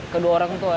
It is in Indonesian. kedua orang tua